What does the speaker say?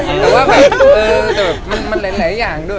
แต่ว่าว่าแบบมันไหลอย่างด้วย